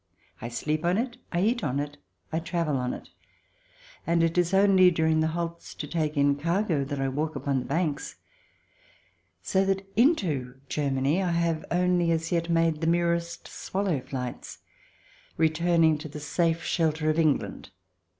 I sleep on it, I eat on it, I travel on it, and it is only during the halts to take in cargo that I walk upon the banks. So that into Germany I have only made as yet the merest swallow flights, returning to the safe shelter of England.